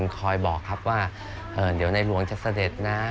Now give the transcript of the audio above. คอยบอกครับว่าเดี๋ยวในหลวงจะเสด็จนะ